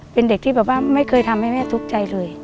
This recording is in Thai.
เป็นเด็กที่แบบว่าไม่เคยทำให้แม่ทุกข์ใจเลย